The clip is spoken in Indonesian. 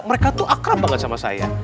mereka tuh akrab banget sama saya